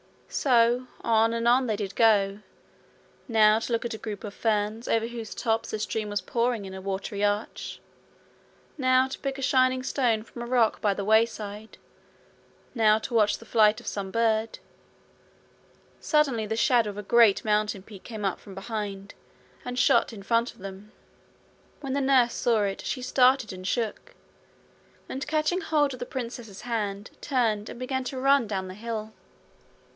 So on and on they did go, now to look at a group of ferns over whose tops a stream was pouring in a watery arch, now to pick a shining stone from a rock by the wayside, now to watch the flight of some bird. Suddenly the shadow of a great mountain peak came up from behind, and shot in front of them. When the nurse saw it, she started and shook, and catching hold of the princess's hand turned and began to run down the hill.